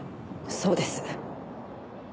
そうです。